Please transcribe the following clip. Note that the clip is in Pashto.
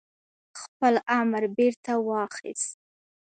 خپل امر بيرته واخيست